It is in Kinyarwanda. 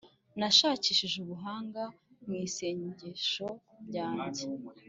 nashakishije ubuhanga mu isengesho ryanjye,